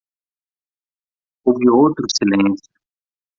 Houve outro silêncio.